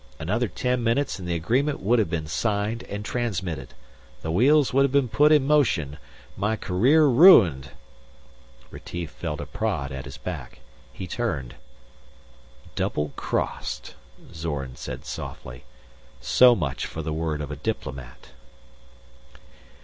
Another ten minutes and the agreement would have been signed and transmitted. The wheels would have been put in motion. My career ruined...." Retief felt a prod at his back. He turned. "Doublecrossed," Zorn said softly. "So much for the word of a diplomat."